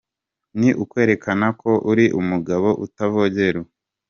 Ni ukwerekana ko uri umugabo, utavogerwa.